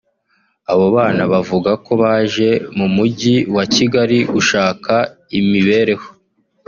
Abo bana bavuga ko baje mu mujyi wa Kigali gushaka imibereho